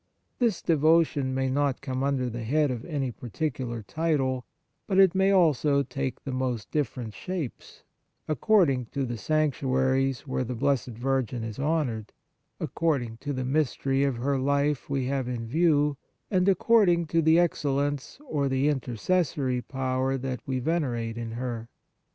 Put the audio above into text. This devotion may not come under the head of any particular title ; but it may also take the most different shapes, according to the sanctuaries where the Blessed Virgin is honoured, according to the mystery of her life we have in view, and according to the excellence or the intercessory power that we venerate in her.